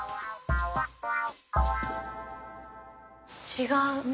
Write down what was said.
違う。